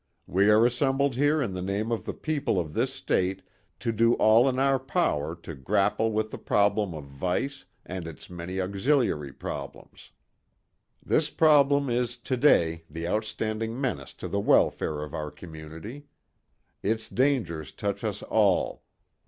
We are assembled here in the name of the people of this state to do all in our power to grapple with the problem of vice and its many auxiliary problems. "This problem is today the outstanding menace to the welfare of our community. Its dangers touch us all.